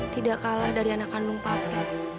tidak kalah dari anak kandung papa